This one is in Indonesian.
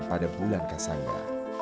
pada bulan kasanga